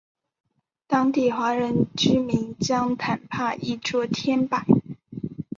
当地华人居民将坦帕译作天柏。